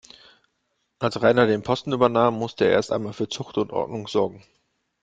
Als Rainer den Posten übernahm, musste er erst einmal für Zucht und Ordnung sorgen.